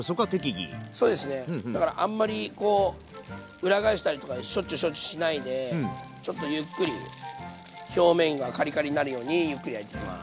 だからあんまりこう裏返したりとかしょっちゅうしょっちゅうしないでちょっとゆっくり表面がカリカリになるようにゆっくり焼いていきます。